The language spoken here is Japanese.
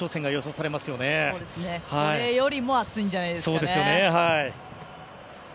これよりも暑いんじゃないですかね。